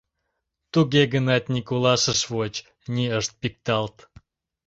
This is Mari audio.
Туге гынат ни колаш ыш воч, ни ыш пикталт.